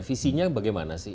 visinya bagaimana sih